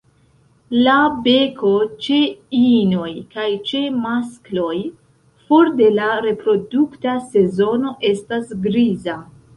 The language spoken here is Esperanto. La beko ĉe inoj kaj ĉe maskloj for de la reprodukta sezono estas griza.